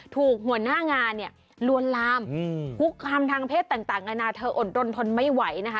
หัวหน้างานเนี่ยลวนลามคุกคามทางเพศต่างนานาเธออดรนทนไม่ไหวนะคะ